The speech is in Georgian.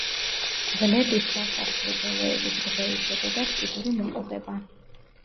ძვლების სასახსრე ბოლოების რღვევის შედეგად, კიდური მოკლდება.